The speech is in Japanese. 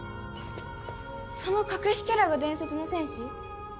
その隠しキャラが伝説の戦士？